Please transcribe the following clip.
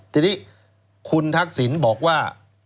ทีนี้คุณทักษิณบอกว่า